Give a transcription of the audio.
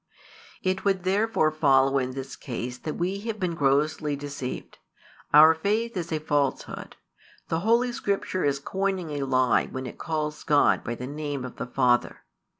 It would therefore follow in this case that we have been grossly deceived: our faith is a falsehood: the Holy Scripture is coining a lie when it calls God by the name of the Father.